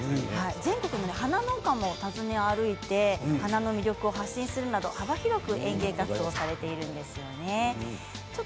全国の花農家も訪ね歩いて花の魅力を発信するなど幅広く園芸活動をされているんですよね。